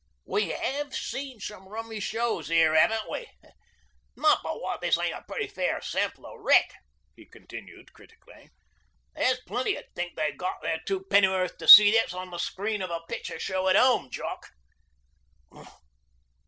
We 'ave seed some rummy shows 'ere, 'aven't we? Not but what this ain't a pretty fair sample o' wreck,' he continued critically. 'There's plenty 'ud think they'd got their two pennorth to see this on the screen o' a picture show at 'ome, Jock.'